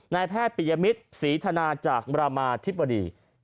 นายแพทย์ปิยมิตรศรีธนาจากบรามาธิบดี